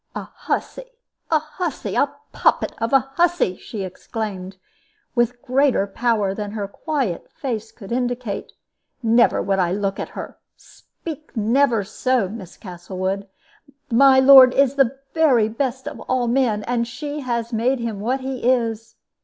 "A hussy! a hussy! a poppet of a hussy!" she exclaimed, with greater power than her quiet face could indicate; "never would I look at her. Speak never so, Miss Castlewood. My lord is the very best of all men, and she has made him what he is.